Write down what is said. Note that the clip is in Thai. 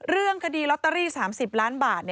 เรื่องคดีลอตเตอรี่๓๐ล้านบาท